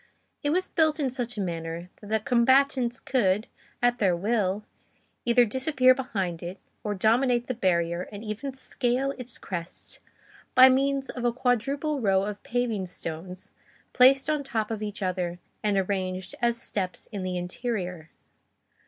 It was built in such a manner that the combatants could, at their will, either disappear behind it or dominate the barrier and even scale its crest by means of a quadruple row of paving stones placed on top of each other and arranged as steps in the interior.